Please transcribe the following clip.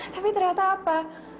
tapi ternyata apa